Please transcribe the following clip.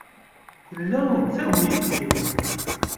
Tella d tagnit-iw..